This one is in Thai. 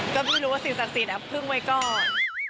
ก็ไม่รู้ว่าสิรศ๑๙๔๓พึ่งไว้ก้อน